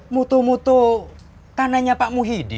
mutu mutu tanahnya pak muhyiddin